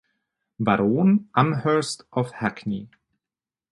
Baron Amherst of Hackney.